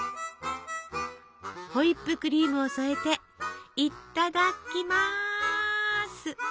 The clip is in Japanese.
ホイップクリームを添えていただきます！